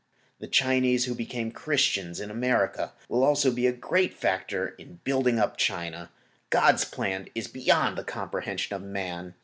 The Chinese who became Christians in America will also be a great factor in building up China. God's plan is beyond the comprehension of man.